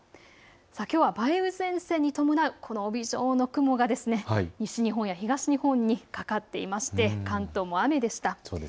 きょうは梅雨前線に伴う帯状の雲が西日本や東日本にかかっていまして関東も雨でした。